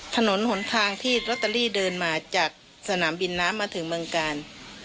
ถนนหนทางที่ลอตเตอรี่เดินมาจากสนามบินน้ำมาถึงเมืองกาล